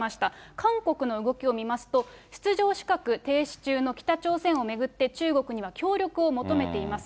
韓国の動きを見ますと、出場資格停止中の北朝鮮を巡って、中国には協力を求めています。